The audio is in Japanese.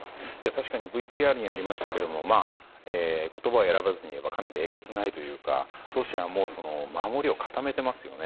確かにＶＴＲにありましたけれども言葉を選ばずに言えばかなりえげつないといいますかロシアも守りを固めていますよね。